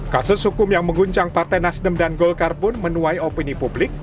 kasus hukum yang mengguncang partai nasdem dan golkar pun menuai opini publik